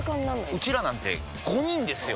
ウチらなんて５人ですよ！